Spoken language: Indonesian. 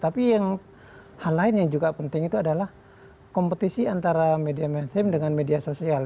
tapi yang hal lain yang juga penting itu adalah kompetisi antara media mainstream dengan media sosial